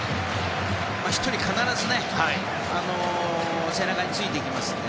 １人必ず背中についていきますんでね。